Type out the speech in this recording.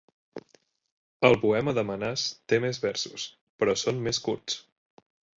El "Poema de Manas" té més versos, però són més curts.